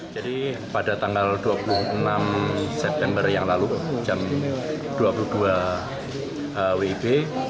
jadi pada tanggal dua puluh enam september yang lalu jam dua puluh dua wib